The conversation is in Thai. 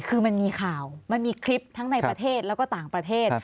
คือมันมีข่าวมันมีคลิปทั้งในประเทศแล้วก็ต่างประเทศ